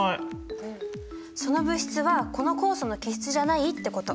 その物質はこの酵素の基質じゃないってこと。